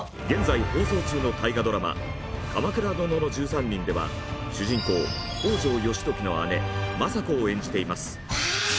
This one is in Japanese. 現在放送中の大河ドラマ「鎌倉殿の１３人」では主人公北条義時の姉政子を演じています。